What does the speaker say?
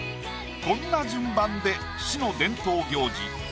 こんな順番で市の伝統行事